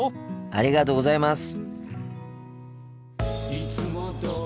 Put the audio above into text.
ありがとうございます！